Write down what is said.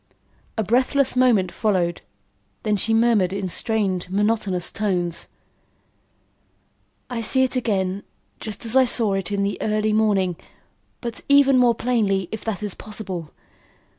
A breathless moment followed, then she murmured in strained monotonous tones: "I see it again just as I saw it in the early morning but even more plainly, if that is possible.